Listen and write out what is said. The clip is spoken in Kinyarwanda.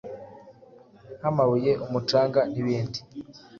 nkamabuye, umucanga n’ibindi.